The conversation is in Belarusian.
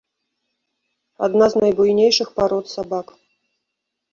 Адна з найбуйнейшых парод сабак.